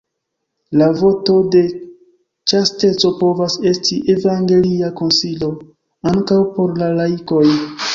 La voto de ĉasteco povas esti evangelia konsilo ankaŭ por la laikoj.